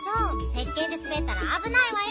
せっけんですべったらあぶないわよ。